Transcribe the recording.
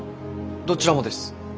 どちらもです。